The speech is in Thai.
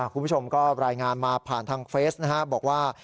คุณผู้ชมก็รายงานมาผ่านทางเฟซบอกว่า